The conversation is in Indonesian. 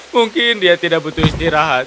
mungkin dia tidak butuh istirahat tapi aku butuh